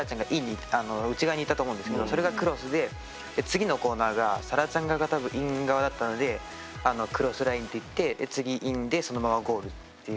それがクロスで次のコーナーがさらちゃんが多分イン側だったのでクロスラインでいって次インでそのままゴールっていう。